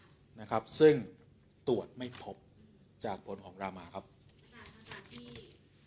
อาจารย์ทางด่วนเอสเซเจนกับธรรมพิจารณะหมดเมื่อวานโดยใช้เหตุผลของอาจารย์มีน้ำหนักสนุนทำให้ความคิดถึงสุด